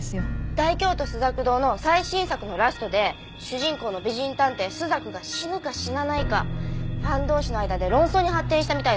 『大京都朱雀堂』の最新作のラストで主人公の美人探偵朱雀が死ぬか死なないかファン同士の間で論争に発展したみたいなんです。